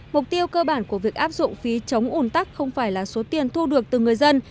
mục tiêu cơ bản của việc áp dụng phí chống ủn tắc không phải là số tiền thu được từ người dân